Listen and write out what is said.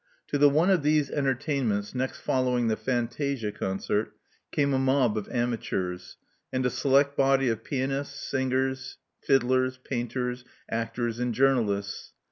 To the one of these entertainments next following the fantasia concert came a mob of amateurs, and a select body of pianists, singers, fiddlers, painters, actors and journalists.